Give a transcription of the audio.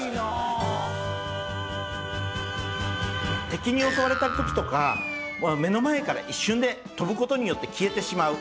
敵に襲われた時とかは目の前から一瞬で飛ぶことによって消えてしまう。